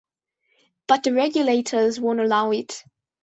But the regulators won't allow it.